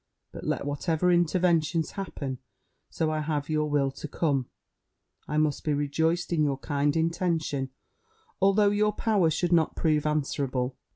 But let whatever interventions happen, so I have your will to come, I must be rejoiced in your kind intention, although your power should not prove answerable.